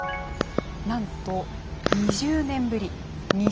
なんと２０年ぶり。